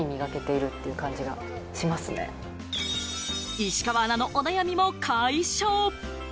石川アナのお悩みも解消！